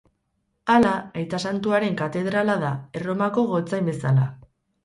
Hala, Aita Santuaren katedrala da, Erromako Gotzain bezala.